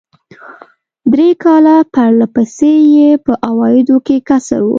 درې کاله پر له پسې یې په عوایدو کې کسر و.